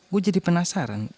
gue jadi penasaran